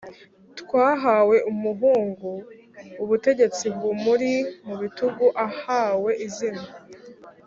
twahawe umuhungu, ubutegetsi bumuri mu bitugu ahawe izina: